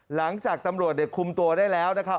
หลังจากตำรวจคุมตัวได้แล้วนะครับ